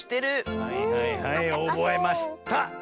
はいはいはいおぼえました！